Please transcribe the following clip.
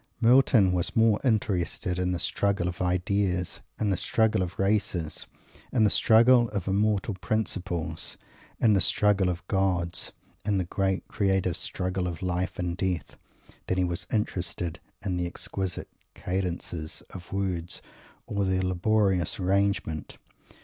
Milton was more interested in the struggle of ideas, in the struggle of races, in the struggle of immortal principles, in the struggle of gods, in the great creative struggle of life and death, than he was interested in the exquisite cadences of words or their laborious arrangement.